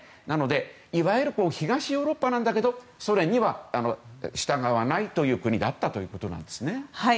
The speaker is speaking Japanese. なので、いわゆる東ヨーロッパなんだけどソ連には従わないという国だったということです。